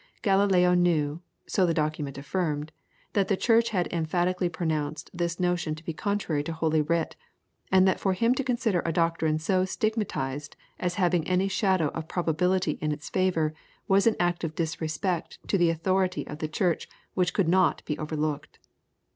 Galileo knew, so the document affirmed, that the Church had emphatically pronounced this notion to be contrary to Holy Writ, and that for him to consider a doctrine so stigmatized as having any shadow of probability in its favour was an act of disrespect to the authority of the Church which could not be overlooked.